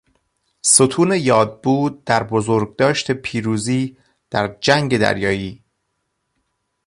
ستون یادبود در بزرگداشت پیروزی در جنگ دریایی